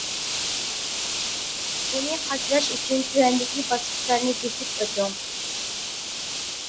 بۇنى قاچىلاش ئۈچۈن تۆۋەندىكى باسقۇچلارنى بېسىپ ئۆتۈڭ.